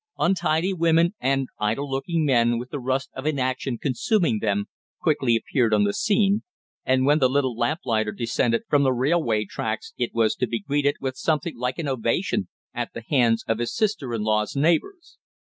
Untidy women and idle looking men with the rust of inaction consuming them, quickly appeared on the scene, and when the little lamplighter descended from the railway tracks it was to be greeted with something like an ovation at the hands of his sister in law's neighbors.